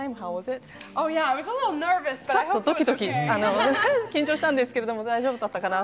ちょっとドキドキ、緊張したんですけれども、大丈夫だったかな。